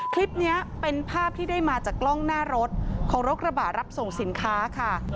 คลิปนี้เป็นภาพที่ได้มาจากกล้องหน้ารถของรถกระบะรับส่งสินค้าค่ะ